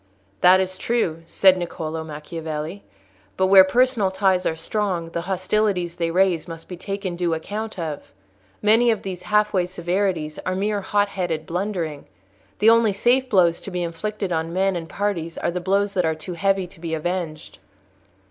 "That is true," said Niccolò Macchiavelli; "but where personal ties are strong, the hostilities they raise must be taken due account of. Many of these half way severities are mere hot headed blundering. The only safe blows to be inflicted on men and parties are the blows that are too heavy to be avenged."